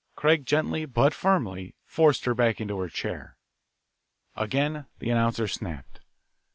Craig gently, but firmly, forced her back into her chair. Again the announcer snapped.